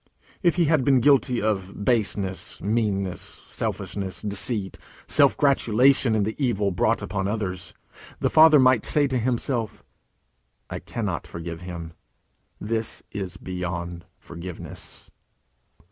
If he had been guilty of baseness, meanness, selfishness, deceit, self gratulation in the evil brought upon others, the father might say to himself: "I cannot forgive him. This is beyond forgiveness."